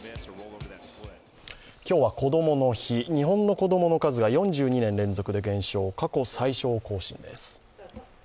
今日はこどもの日日本の子供の数が４２年連続で減少、過去最少を更新です。